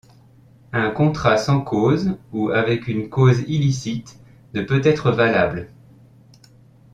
Un contrat sans cause ou avec une cause illicite ne peut être valable.